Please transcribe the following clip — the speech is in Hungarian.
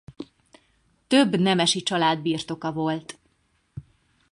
Több nemesi család birtoka volt.